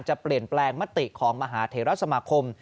จะเปลี่ยนแปลงมติของมหาเทราสมาคม